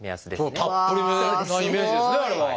たっぷりめなイメージですねあれは。